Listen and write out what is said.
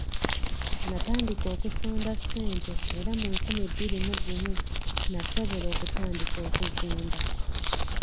Natandika okusonda ssente era mu nkumi bbiri mu gumu nasobola okutandika okuzimba.